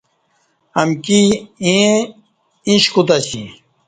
امکی ایں ایݩش کوتاسی